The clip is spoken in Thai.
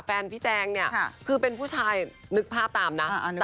แฟนพี่แจงเนี่ยคือเป็นผู้ชายนึกภาพตามนะ